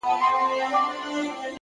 پوهه د تصمیمونو وزن درک کوي